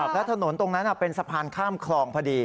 และถนนตรงนั้นเป็นสะพานข้ามคลองพอดี